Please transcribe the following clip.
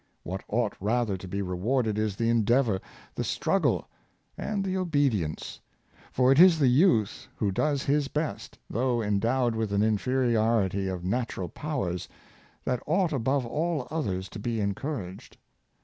What ought rather to be rewarded is the endeavor, the strug gle, and the obedience; for it is the youth who does his best, though endowed with an inferiority of natural powers, that ought above all others to be encouraged.